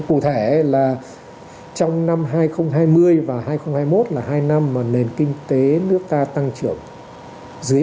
cụ thể là trong năm hai nghìn hai mươi và hai nghìn hai mươi một là hai năm mà nền kinh tế nước ta tăng trưởng dưới hai mươi